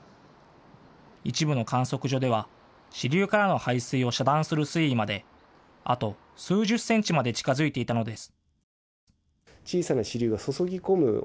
一部の観測所では支流からの排水を遮断する水位まであと数十センチまで近づいていたのです。